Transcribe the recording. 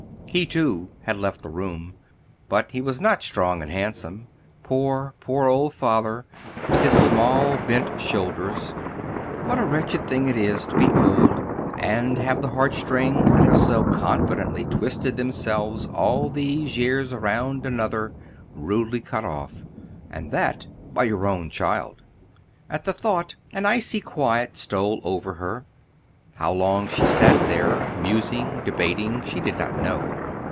He too had left the room; but he was not strong and handsome, poor, poor old father with his small bent shoulders. What a wretched thing it is to be old and have the heart strings that have so confidently twisted themselves all these years around another rudely cut off, and that by your only child! At the thought an icy quiet stole over her. How long she sat there, musing, debating, she did not know.